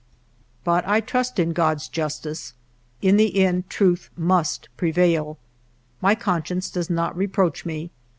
..." But I trust in God's justice. In the end truth must prevail. My conscience does not reproach me.